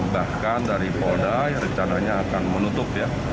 bahkan dari polda yang rencananya akan menutup ya